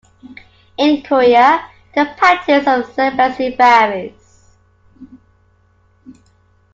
In Korea, the practice of celibacy varies.